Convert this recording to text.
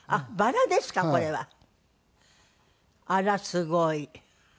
あらすごい。